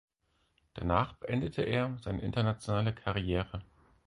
Danach beendete er seine internationale Karriere.